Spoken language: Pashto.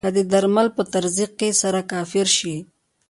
که د درمل په تزریق سره کافر شي.